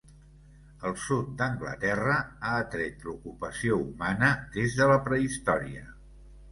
El sud d'Anglaterra ha atret l'ocupació humana des de la prehistòria.